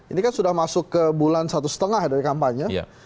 ini kan sudah masuk ke bulan satu setengah dari kampanye